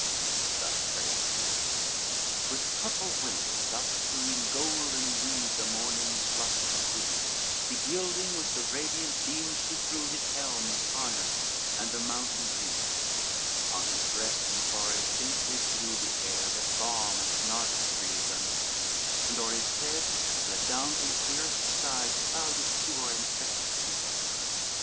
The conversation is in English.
XV Thus prayed he, with purple wings upflew In golden weed the morning's lusty queen, Begilding with the radiant beams she threw His helm, his harness, and the mountain green; Upon his breast and forehead gently blew The air, that balm and nardus breathed unseen, And o'er his head let down from clearest skies A cloud of pure and precious clew there flies.